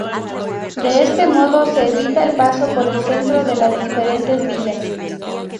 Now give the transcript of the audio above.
De este modo se evita el paso por el centro de las diferentes villas.